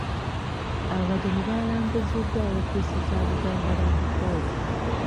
Abagenyi baalambuziddwa ofiisi za Buganda Land Board.